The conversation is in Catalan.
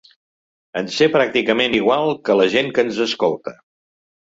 En sé pràcticament igual que la gent que ens escolta.